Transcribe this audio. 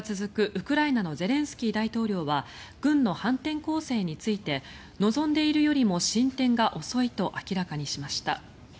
ウクライナのゼレンスキー大統領は軍の反転攻勢について望んでいるよりも進展が遅いと明らかにしました。